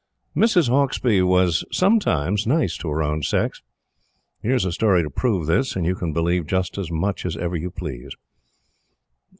Mrs. Hauksbee was sometimes nice to her own sex. Here is a story to prove this; and you can believe just as much as ever you please.